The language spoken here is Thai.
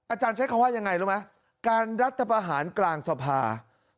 อาจารย์ใช้คำว่ายังไงรู้ไหมการรัฐประหารกลางสภา